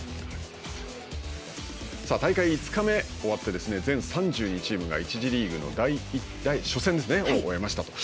さあ、大会５日目終わって全３２チームが１次リーグの初戦を終えましたと。